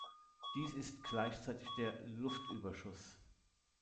Dies ist gleichzeitig der "Luftüberschuss".